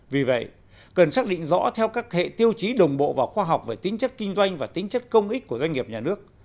vì vậy cần xác định rõ theo các hệ tiêu chí đồng bộ và khoa học về tính chất kinh doanh và tính chất công ích của doanh nghiệp nhà nước